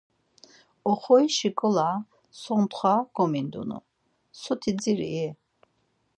Oxorişi nǩola sortxa gomindunu. Soti ziri-i?